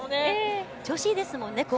調子いいですもんね。